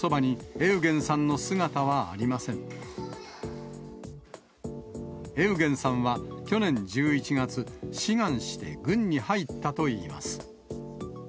エウゲンさんは去年１１月、志願して軍に入ったといいます。